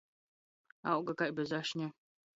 Auga kai bez ašņa.